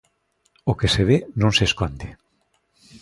O que se ve non se esconde.